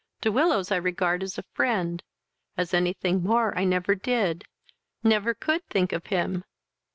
De Willows I regard as a friend: as any thing more I never did, never could think of him.